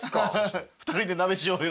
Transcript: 「２人で鍋しようよ」